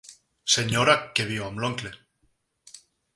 Senyora que viu amb l'oncle.